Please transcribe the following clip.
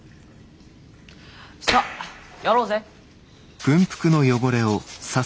さやろうぜ。